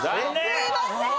すいません！